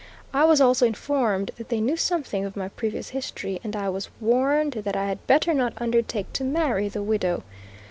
I was also informed that they knew something of my previous history, and I was warned that I had better not undertake to marry the widow.